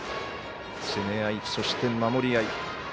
攻め合い、そして守り合い。